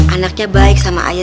anaknya baik sama ayah